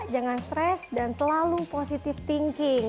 jangan stres dan selalu positif thinking